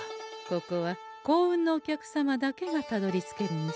ここは幸運のお客様だけがたどりつける店。